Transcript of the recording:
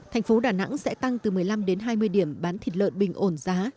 thành phố đà nẵng sẽ tăng từ một mươi năm đến hai mươi điểm bán thịt lợn bình ổn giá